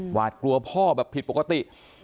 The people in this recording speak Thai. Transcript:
หวาดกลัวพ่อแบบผิดปกติ